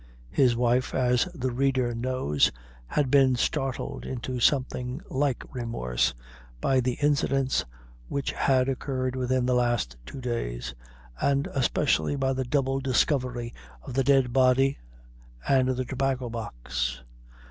His wife, as the reader knows, had been startled into something like remorse, by the incidents which had occurred within the last two days, and especially by the double discovery of the dead body and the Tobacco box.